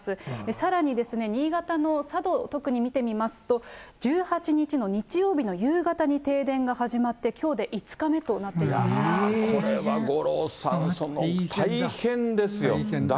さらにですね、新潟の佐渡、特に見てみますと、１８日の日曜日の夕方に停電が始まって、きょうで５日目となっているんですね。